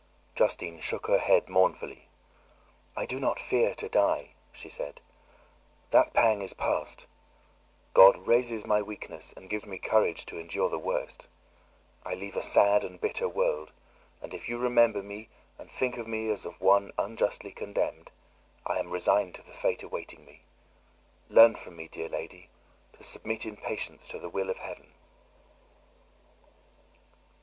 Justine shook her head mournfully. "I do not fear to die," she said; "that pang is past. God raises my weakness and gives me courage to endure the worst. I leave a sad and bitter world; and if you remember me and think of me as of one unjustly condemned, I am resigned to the fate awaiting me. Learn from me, dear lady, to submit in patience to the will of heaven!"